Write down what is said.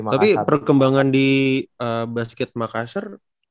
tapi perkembangan di basket makassar